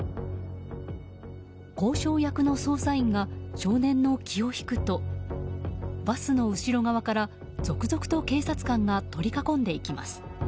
交渉役の捜査員が少年の気を引くとバスの後ろ側から、続々と警察官が取り囲んでいきます。